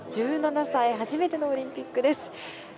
１７歳初めてのオリンピックです。